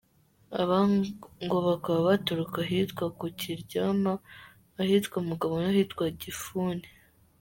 Aba ngo bakaba baturuka ahitwa ku Kiryama, ahitwa Mugabo, n’ahitwa Gifuni.